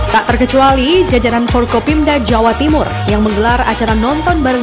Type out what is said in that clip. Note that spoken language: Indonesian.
tak terkecuali jajaran forkopimda jawa timur yang menggelar acara nonton bareng